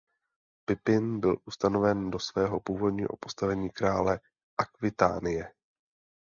Pipin byl ustanoven do svého původního postavení krále Akvitánie.